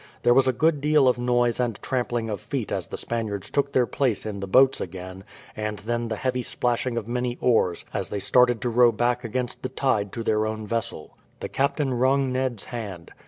There was a good deal of noise and trampling of feet as the Spaniards took their place in the boats again, and then the heavy splashing of many oars as they started to row back against the tide to their own vessel. The captain wrung Ned's hand.